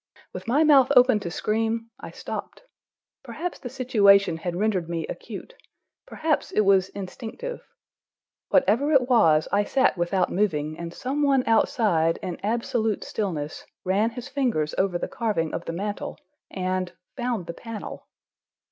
With my mouth open to scream, I stopped. Perhaps the situation had rendered me acute, perhaps it was instinctive. Whatever it was, I sat without moving, and some one outside, in absolute stillness, ran his fingers over the carving of the mantel and—found the panel.